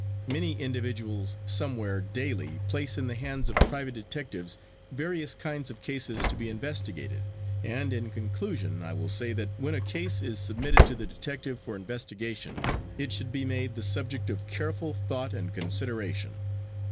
Many individuals somewhere daily place in the hands of private detectives, various kinds of cases to be investigated, and in conclusion I will say that when a case is submitted to the detective for investigation it should be made the subject of careful thought and consideration.